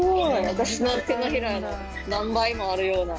私の手のひらの何倍もあるような。